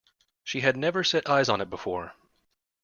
She had never set eyes on it before.